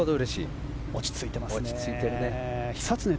落ち着いてますね。